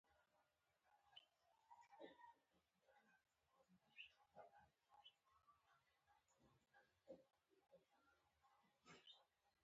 احمدشاه بابا ته افغانانو د "بابا" لقب ورکړی.